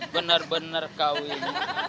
benar benar kau ini